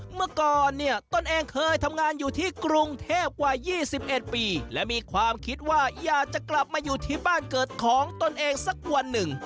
เมื่อก่อนเนี่ยตนเองเคยทำงานอยู่ที่กรุงเทพกว่า๒๑ปีและมีความคิดว่าอยากจะกลับมาอยู่ที่บ้านเกิดของตนเองสักวันหนึ่ง